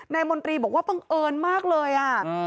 มนตรีบอกว่าบังเอิญมากเลย